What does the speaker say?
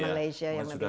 ya malaysia begitu ya